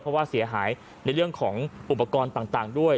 เพราะว่าเสียหายในเรื่องของอุปกรณ์ต่างด้วย